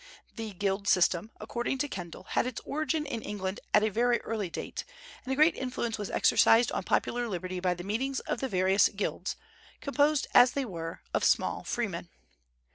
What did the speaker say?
The guild system, according to Kendall, had its origin in England at a very early date, and a great influence was exercised on popular liberty by the meetings of the various guilds, composed, as they were, of small freemen.